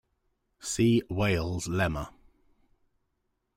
See Weyl's lemma.